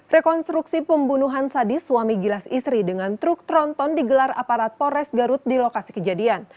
rekonstruksi pembunuhan sadis suami gilas istri dengan truk tronton digelar aparat pores garut di lokasi kejadian